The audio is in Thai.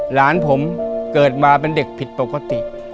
หลานผมเกิดมาเป็นเด็กผิดปกติ